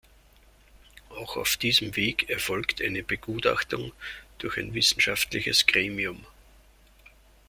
Auch auf diesem Weg erfolgt eine Begutachtung durch ein wissenschaftliches Gremium.